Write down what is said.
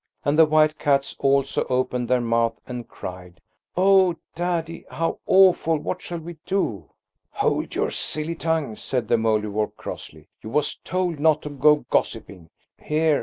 And the white cats also opened their mouths and cried, "Oh, daddy, how awful! what shall we do?" "Hold your silly tongues," said the Mouldiwarp crossly. "You was told not to go gossiping. Here!